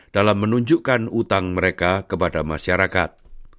dalam menunjukkan hutang mereka kepada masyarakat